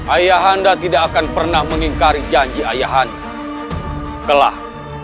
ayah anda berhasil untuk membuat satu kondisi keyuangan standar